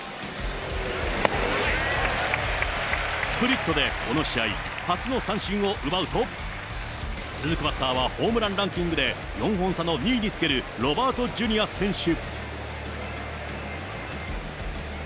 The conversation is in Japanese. スプリットでこの試合初の三振を奪うと、続くバッターは、ホームランランキングで４本差の２位につけるロバート・ジュニア選手。